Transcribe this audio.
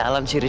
salam si rizky